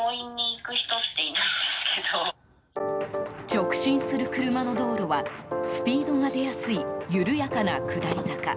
直進する車の道路はスピードが出やすい緩やかな下り坂。